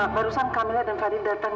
barusan kamila dan fadil datang